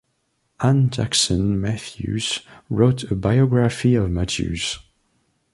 Anne Jackson Mathews wrote a biography of Mathews.